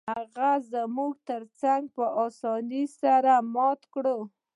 هغې زما تره څنګه په اسانۍ سره مات کړ؟